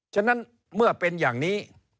ฉะนั้นเมื่อเป็นอย่างนี้